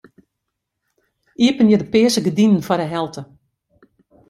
Iepenje de pearse gerdinen foar de helte.